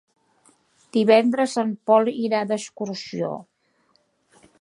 Divendres en Pol irà d'excursió.